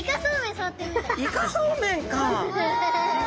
イカそうめんかあ。